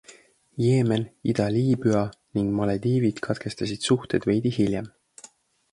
Jeemen, Ida-Liibüa ning Malediivid katkestasid suhted veidi hiljem.